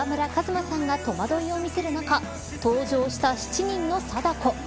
馬さんが戸惑いを見せる中登場した７人の貞子。